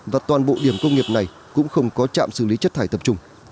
và toàn bộ điểm công nghiệp này cũng không có trạm xử lý chất thải tập trung